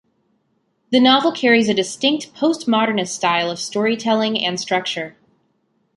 The novel carries a distinct post-modernist style of storytelling and structure.